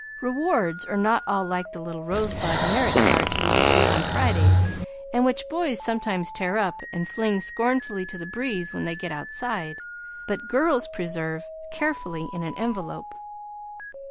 Rewards are not all like the little rosebud merit cards we receive on Fridays, and which boys sometimes tear up and fling scornfully to the breeze when they get outside, but girls preserve carefully in an envelope.